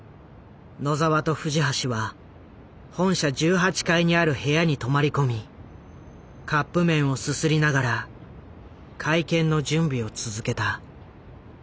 野澤と藤橋は本社１８階にある部屋に泊まり込みカップ麺をすすりながら会見の準備を続けた。